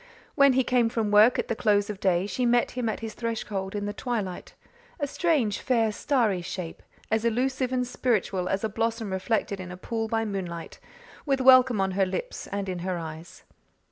When he came from work at the close of day she met him at his threshold in the twilight a strange, fair, starry shape, as elusive and spiritual as a blossom reflected in a pool by moonlight with welcome on her lips and in her eyes.